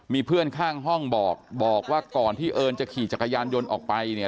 มีเพื่อนข้างห้องบอกบอกว่าก่อนที่เอิญจะขี่จักรยานยนต์ออกไปเนี่ย